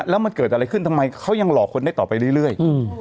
แล้วมันเกิดอะไรขึ้นทำไมเขายังหลอกคนได้ต่อไปเรื่อย